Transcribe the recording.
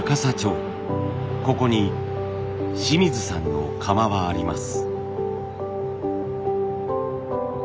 ここに清水さんの窯はあります。